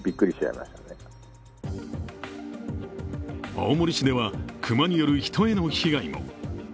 青森市では熊による人への被害も。